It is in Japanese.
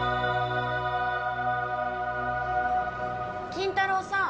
筋太郎さん！